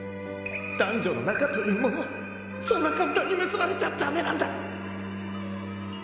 男女の仲というものはそんな簡単に結ばれちゃ駄目なんだ。